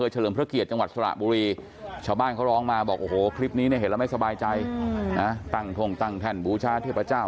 ใช้ผิดและเป็นความทรมานว่าเรา